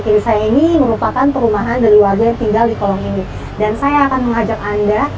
kiri saya ini merupakan perumahan dari warga yang tinggal di kolong ini dan saya akan mengajak anda